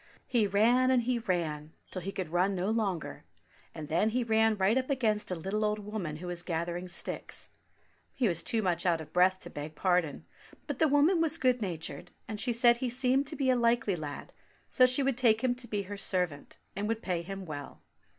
He ran, and he ran, till he could run no longer, and then he ran right up against a little old woman who was gathering sticks. He was too much out of breath to beg pardon, but the woman was good natured, and she said he seemed to be a likely lad, so she would take him to be her servant, and would pay him well.